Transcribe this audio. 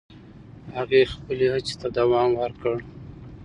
هغې خپل هڅې ته دوام ورکړ.